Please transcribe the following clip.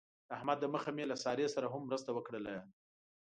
د احمد د مخه مې له سارې سره هم مرسته وکړله.